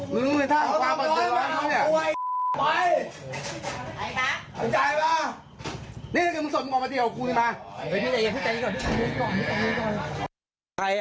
นะคะ